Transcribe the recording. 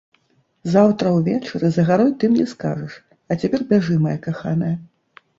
Заўтра ўвечары за гарой ты мне скажаш, а цяпер бяжы, мая каханая!